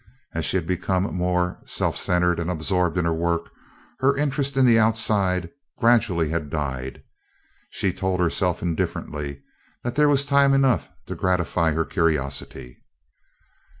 As she had become more self centered and absorbed in her work, her interest in the "outside" gradually had died. She told herself indifferently that there was time enough to gratify her curiosity.